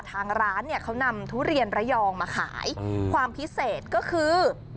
ทางร้านเนี่ยเขานำทุเรียนระยองมาขายความพิเศษก็คือ